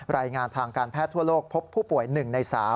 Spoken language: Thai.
รายงานทางการแพทย์ทั่วโลกพบผู้ป่วย๑ใน๓